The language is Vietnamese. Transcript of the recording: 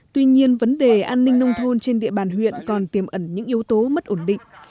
tuy nhiên vấn đề an ninh nông thôn trên địa bàn huyện còn tiềm ẩn những yếu tố mất ổn định